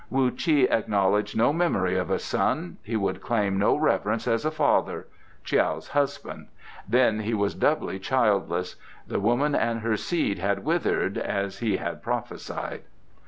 Wu Chi acknowledged no memory of a son; he could claim no reverence as a father. ... Tiao's husband. ... Then he was doubly childless. ... The woman and her seed had withered, as he had prophesied.